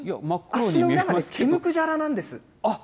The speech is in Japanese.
足の裏、毛むくじゃらなんです。